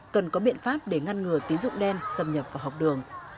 cần có biện pháp để ngăn ngừa tín dụng đen xâm nhập vào học đường